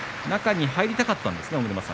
中に入りたかったんですね。